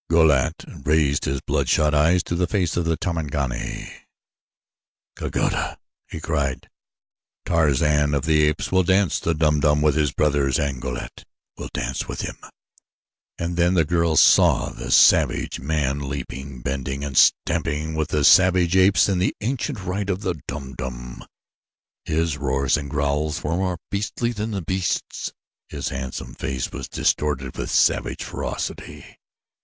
Go lat raised his bloodshot eyes to the face of the Tarmangani. "Kagoda!" he cried. "Tarzan of the Apes will dance the Dum Dum with his brothers and Go lat will dance with him!" And then the girl in the tree saw the savage man leaping, bending, and stamping with the savage apes in the ancient rite of the Dum Dum. His roars and growls were more beastly than the beasts. His handsome face was distorted with savage ferocity.